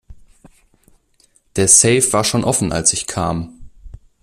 Der Safe war schon offen als ich kam.